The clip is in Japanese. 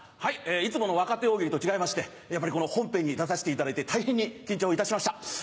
いつもの若手大喜利と違いまして本編に出させていただいて大変に緊張いたしました。